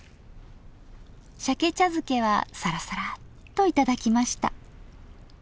しゃけ茶漬けはサラサラッと頂きました。